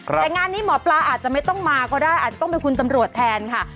แต่งานนี้หมอปลาอาจจะไม่ต้องมาก็ได้อาจจะต้องเป็นคุณตำรวจแทนค่ะ